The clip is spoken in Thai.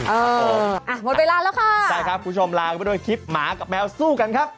เอออ่ะหมดเวลาแล้วค่ะใช่ครับคุณผู้ชมลากันไปด้วยคลิปหมากับแมวสู้กันครับ